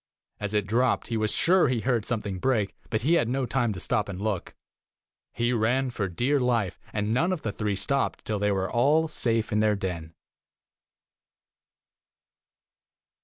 As it dropped, he was sure he heard something break, but he had no time to stop and 12 look. He ran for dear life, and none of the three stopped till they were all safe in their den."